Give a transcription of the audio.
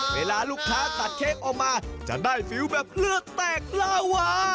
เวลาลูกค้าตัดเค้กออกมาจะได้ฟิลแบบเลือกแตกลาวา